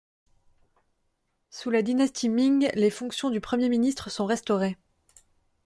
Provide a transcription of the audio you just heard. Sous la dynastie Ming, les fonctions du Premier ministre sont restaurées.